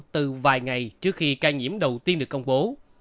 từ vài ngày trước khi ca nhiễm đầu tiên được công bố